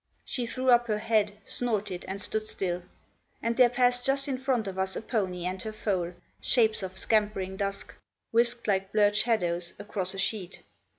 She threw up her head, snorted, and stood still; and there passed just in front of us a pony and her foal, shapes of scampering dusk, whisked like blurred shadows across a sheet.